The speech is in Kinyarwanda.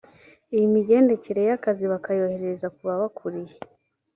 iyimigendekere y’ akazi bakayoherereza kubabakuriye.